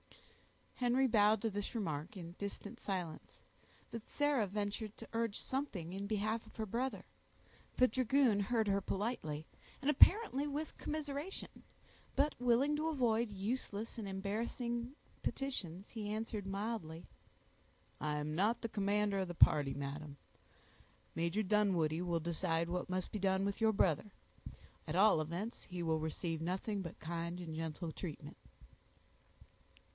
Henry bowed to this remark in distant silence, but Sarah ventured to urge something in behalf of her brother. The dragoon heard her politely, and apparently with commiseration; but willing to avoid useless and embarrassing petitions, he answered mildly,— "I am not the commander of the party, madam; Major Dunwoodie will decide what must be done with your brother; at all events he will receive nothing but kind and gentle treatment."